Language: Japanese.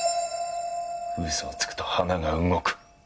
嘘をつくと鼻が動く。